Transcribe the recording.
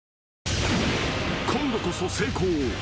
［今度こそ成功を。